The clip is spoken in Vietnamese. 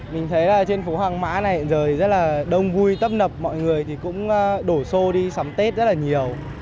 mình thấy trên phố hàng mã này rất là đông vui tấp nập mọi người cũng đổ xô đi sắm tết rất là nhiều